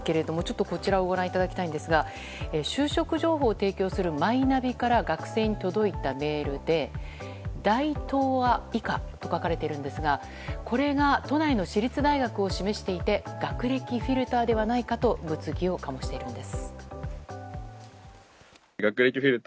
こちらをご覧いただきたいんですが就職情報を提供するマイナビから学生に届いたメールで大東亜以下と書かれているんですがこれが都内の私立大学を示していて学歴フィルターではないかと物議を醸しているんです。